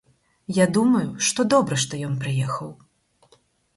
Я думаю, што добра, што ён прыехаў.